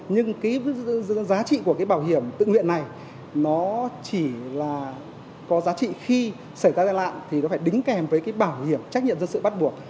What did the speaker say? nhưng cái giá trị của cái bảo hiểm tự nguyện này nó chỉ là có giá trị khi xảy ra tai nạn thì nó phải đính kèm với cái bảo hiểm trách nhiệm dân sự bắt buộc